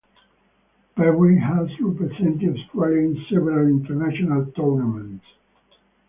Perry has represented Australia in several international tournaments.